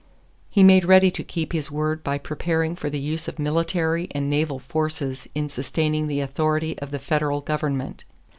He made ready to keep his word by preparing for the use of military and naval forces in sustaining the authority of the federal government.